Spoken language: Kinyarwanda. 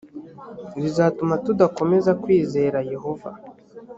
bizatuma tudakomeza kwizera yehova